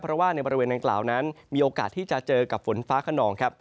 เพราะว่าในบริเวณดังกล่าวนั้นมีโอกาสที่จะเจอกับฝนฟ้าขนองครับ